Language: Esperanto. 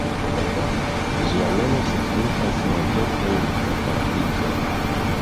Ĝia nomo signifas "montetoj de la paradizo".